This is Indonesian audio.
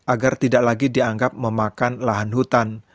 agar tidak lagi dianggap memakan lahan hutan